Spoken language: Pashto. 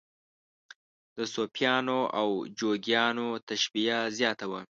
د صوفیانو او جوګیانو تشبیه زیاته وه.